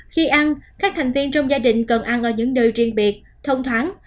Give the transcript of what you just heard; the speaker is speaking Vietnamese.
khi ăn các thành viên trong gia đình cần ăn ở những nơi riêng biệt thông thoáng